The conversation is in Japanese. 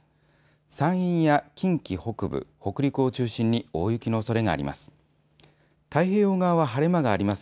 山陰や近畿北部北陸を中心に大雪のおそれがあります。